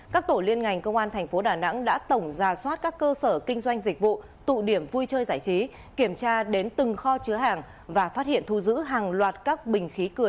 các tội liên quan đến ma túy cũng đang được giới trẻ sử dụng một cách tràn lan